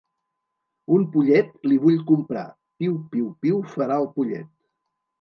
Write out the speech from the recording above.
Un pollet li vull comprar. Piu, piu, piu, farà el pollet.